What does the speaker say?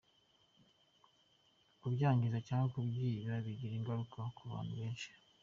Kubyangiza cyangwa kubyiba bigira ingaruka ku bantu benshi.